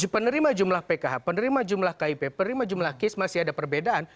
penerima jumlah pkh penerima jumlah kip penerima jumlah kis masih ada perbedaan